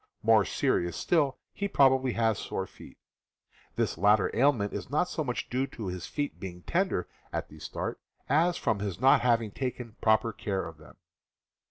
More serious still, he probably has sore feet. This latter ailment is not so much due to his feet being tender at the start as from his not having taken proper care of them.